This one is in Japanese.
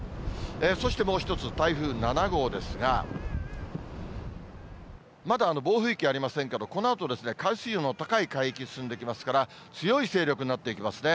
そしてもう一つ、台風７号ですが、まだ暴風域ありませんけど、このあと、海水温の高い海域を進んできますから、強い勢力になっていきますね。